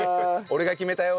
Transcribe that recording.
「俺が決めたよ